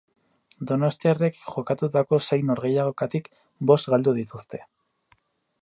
Donostiarrek jokatutako sei norgehiagokatik bost galdu dituzte.